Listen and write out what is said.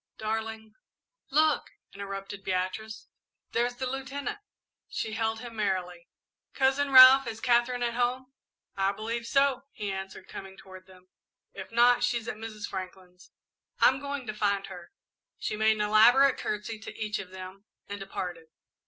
"Darling " "Look," interrupted Beatrice, "there's the Lieutenant." She hailed him merrily. "Cousin Ralph, is Katherine at home?" "I believe so," he answered, coming toward them; "if not, she's at Mrs. Franklin's." "I'm going to find her." She made an elaborate courtesy to each of them, and departed.